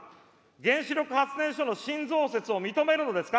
原子力発電所の新増設を認めるのですか。